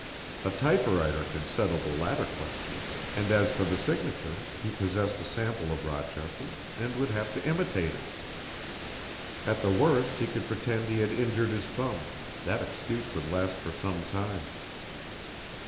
A typewriter could settle the latter question, and as for the signature, he possessed a sample of Rochester's, and would have to imitate it. At the worst he could pretend he had injured his thumb that excuse would last for some time.